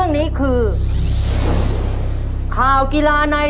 สองนาทีสี่สิบห้าวินาที